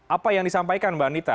apa yang disampaikan mbak anita